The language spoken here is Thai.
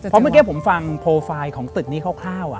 พอเมื่อเกี๊ยวผมฟังโปรไฟล์ของตึกนี้คร่าว